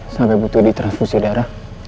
sampai butuh ditransfusi darah